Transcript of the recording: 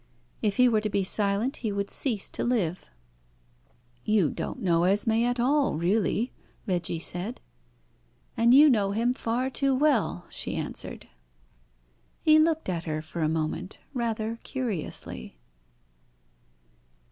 If he were to be silent he would cease to live." "You don't know Esmé at all, really," Reggie said. "And you know him far too well," she answered. He looked at her for a moment rather curiously.